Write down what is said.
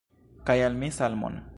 Kaj al mi salmon.